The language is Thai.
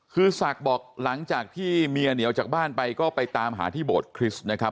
คือศักดิ์บอกหลังจากที่เมียเหนียวจากบ้านไปก็ไปตามหาที่โบสถคริสต์นะครับ